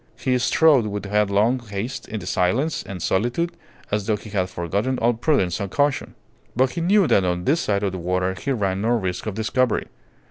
He strode with headlong haste in the silence and solitude as though he had forgotten all prudence and caution. But he knew that on this side of the water he ran no risk of discovery.